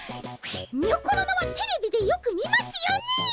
にょころのはテレビでよく見ますよねえ。